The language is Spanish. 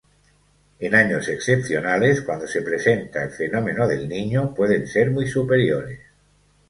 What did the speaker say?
En años excepcionales, cuando se presenta el fenómeno del Niño, pueden ser muy superiores.